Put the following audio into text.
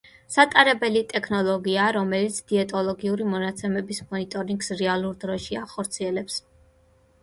სატარებელი ტექნოლოგიაა, რომელიც დიეტოლოგიური მონაცემების მონიტორინგს რეალურ დროში ახორციელებს.